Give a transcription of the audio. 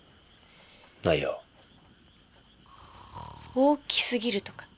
大きすぎるとか。